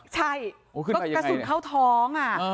ใช่กระสุนเข้าท้องอ่ะ